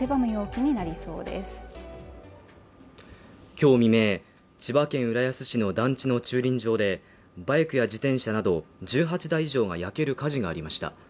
今日未明、千葉県浦安市の団地の駐輪場で、バイクや自転車など１８台以上が焼ける火事がありました。